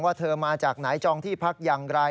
เธอมาจากไหนจองที่พักอย่างไร